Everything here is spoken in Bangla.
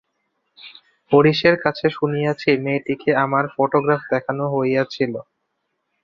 হরিশের কাছে শুনিয়াছি, মেয়েটিকে আমার ফোটোগ্রাফ দেখানো হইয়াছিল।